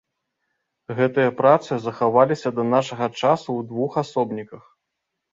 Гэтыя працы захаваліся да нашага часу ў двух асобніках.